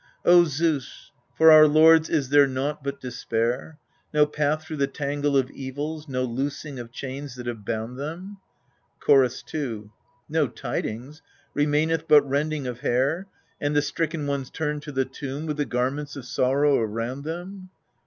O Zeus, for our lords is there naught but despair? No path through the tangle of evils, no loosing of chains that have bound them ? Chorus 2. No tidings ? remaineth but rending of hair, And the stricken ones turned to the tomb with the gar ments of sorrow around them